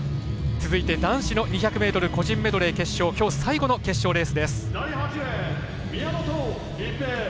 続いて男子の２００ｍ個人メドレーの決勝きょう最後の決勝レースです。